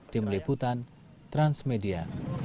tim liputan transmedia